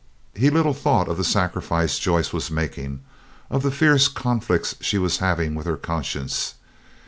He little thought of the sacrifice Joyce was making, of the fierce conflicts she was having with her conscience.